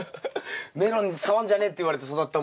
メロンに触んじゃねえって言われて育ったもんで。